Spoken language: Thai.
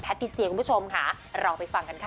ทัศน์ที่เสียคุณผู้ชมค่ะเราไปฟังกันค่ะ